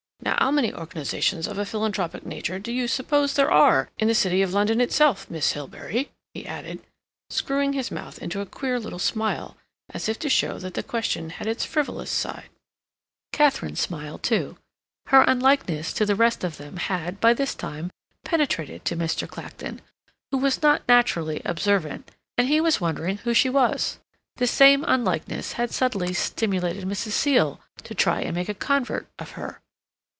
Now how many organizations of a philanthropic nature do you suppose there are in the City of London itself, Miss Hilbery?" he added, screwing his mouth into a queer little smile, as if to show that the question had its frivolous side. Katharine smiled, too. Her unlikeness to the rest of them had, by this time, penetrated to Mr. Clacton, who was not naturally observant, and he was wondering who she was; this same unlikeness had subtly stimulated Mrs. Seal to try and make a convert of her.